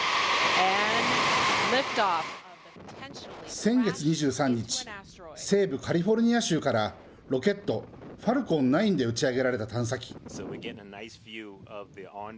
先月２３日、西部カリフォルニア州からロケット、ファルコン９で打ち上げられた探査機。